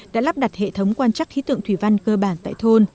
đã lắp đặt hệ thống quan trắc khí tượng thủy văn cơ bản tại thôn